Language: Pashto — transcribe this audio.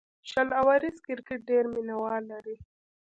شل اوریز کرکټ ډېر مینه وال لري.